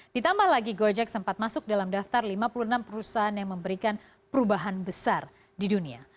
ditambah lagi gojek sempat masuk dalam daftar lima puluh enam perusahaan yang memberikan perubahan besar di dunia